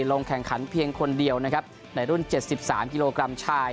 ลงแข่งขันเพียงคนเดียวนะครับในรุ่น๗๓กิโลกรัมชาย